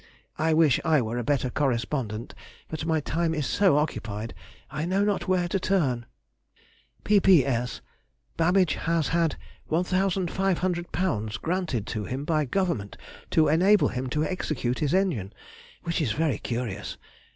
I wish I were a better correspondent, but my time is so occupied, I know not where to turn. P.P.S.—Babbage has had £1,500 granted him by Government to enable him to execute his engine, which is very curious.